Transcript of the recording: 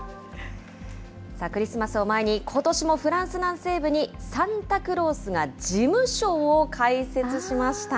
クリスマスを前に、ことしもフランス南西部にサンタクロースが事務所を開設しました。